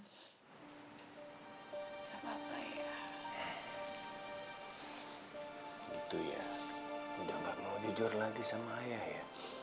itu ya udah gak mau jujur lagi sama ayah ya